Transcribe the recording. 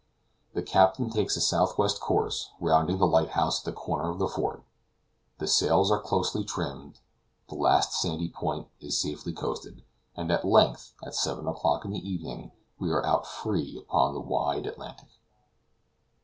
The captain takes a southwest course, rounding the lighthouse at the corner of the fort; the sails are closely trimmed; the last sandy point is safely coasted, and at length, at seven o'clock in the evening, we are out free upon the wide Atlantic.